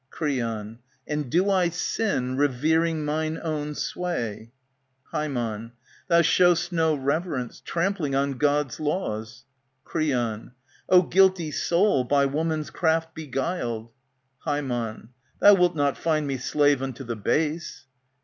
Creon, And do I sin revering mine own sway ? Ham, Thou show'st no reverence, trampling on God's laws. Creon, O guilty soul, by woman's craft beguiled ! Ham, Thou wilt not find me slave unto the base.